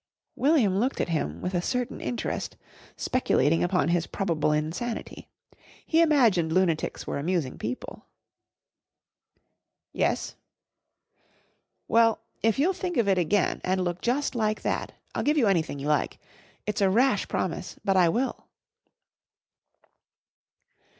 William looked at him with a certain interest, speculating upon his probable insanity. He imagined lunatics were amusing people. "Yes." "Well, if you'll think of it again and look just like that, I'll give you anything you like. It's a rash promise, but I will."